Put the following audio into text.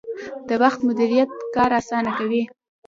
د وخت مدیریت کار اسانه کوي